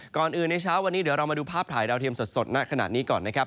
ก่อนอื่นในเช้าวันนี้เดี๋ยวเรามาดูภาพถ่ายดาวเทียมสดณขณะนี้ก่อนนะครับ